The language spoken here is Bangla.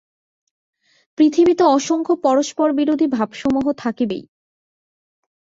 পৃথিবীতে অসংখ্য পরস্পরবিরোধী ভাবসমূহ থাকিবেই।